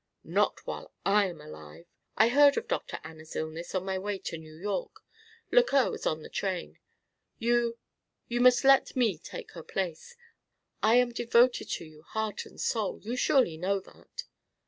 "Not while I am alive. I heard of Dr. Anna's illness on my way to New York. Lequeur was on the train. You you must let me take her place. I am devoted to you heart and soul. You surely know that."